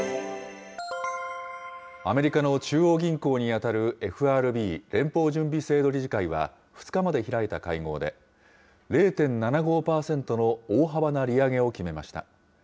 アメリカの中央銀行にあたるＦＲＢ・連邦準備制度理事会は、２日まで開いた会合で、０．７５％の大幅な利上げを決めました。